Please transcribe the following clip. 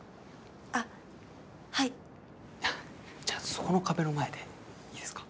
あっはいじゃあそこの壁の前でいいですか？